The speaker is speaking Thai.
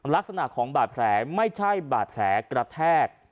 ลักษณะของบาดแผลไม่ใช่บาดแผลกระแทก